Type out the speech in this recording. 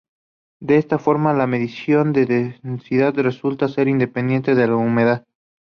De esta forma, la medición de densidad resulta ser independiente de la humedad.